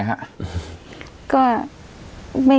อุ้มิทัศน์มันก็มองรถนี่